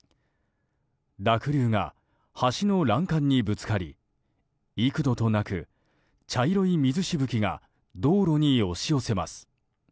濁流が橋の欄干にぶつかり幾度となく、茶色い水しぶきが道路に押し寄せます。